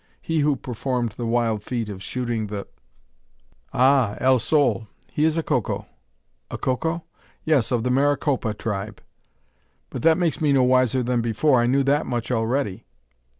he who performed the wild feat of shooting the " "Ah! El Sol; he is a Coco." "A Coco?" "Yes; of the Maricopa tribe." "But that makes me no wiser than before. I knew that much already."